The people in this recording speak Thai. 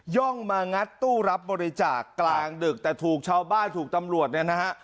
่องมางัดตู้รับบริจาคกลางดึกแต่ถูกชาวบ้านถูกตำรวจเนี่ยนะฮะ